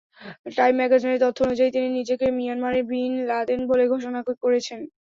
Time ম্যাগাজিনের তথ্য অনুযায়ী, তিনি নিজেকে মিয়ানমারের বিন লাদেন বলে ঘোষণা করেছেন।